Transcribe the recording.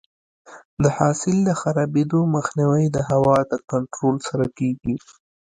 د حاصل د خرابېدو مخنیوی د هوا د کنټرول سره کیږي.